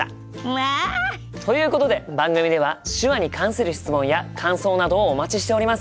まあ！ということで番組では手話に関する質問や感想などをお待ちしております。